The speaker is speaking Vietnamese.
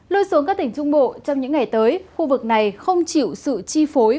lưu xuống các tỉnh trung bộ trong những ngày tới khu vực này không chịu sự chi phối